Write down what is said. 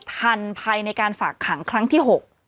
ทันภายในการฝากขังครั้งที่๖